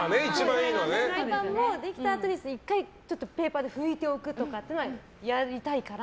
フライパンもできたあとに１回ペーパーで拭いておくとかやりたいから。